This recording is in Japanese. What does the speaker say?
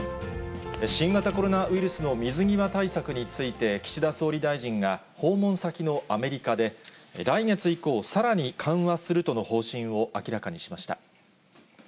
新型コロナウイルスの水際対策について、岸田総理大臣が、訪問先のアメリカで、来月以降、さらに緩和するとの方針を明らかにしました。